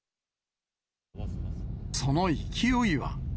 その勢いは。